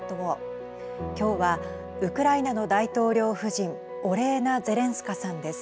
今日はウクライナの大統領夫人オレーナ・ゼレンスカさんです。